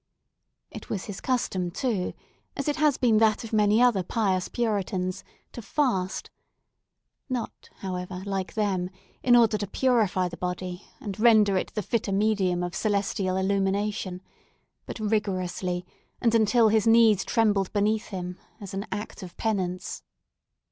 It was his custom, too, as it has been that of many other pious Puritans, to fast—not however, like them, in order to purify the body, and render it the fitter medium of celestial illumination—but rigorously, and until his knees trembled beneath him, as an act of penance.